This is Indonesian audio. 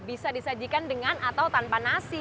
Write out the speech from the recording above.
bisa disajikan dengan atau tanpa nasi